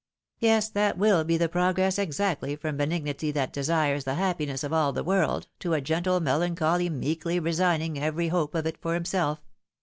" Yes, that will be the progress exactly from benignity that desires the happiness of all the world, to a gentle melancholy meekly resigning every hope of it for himself.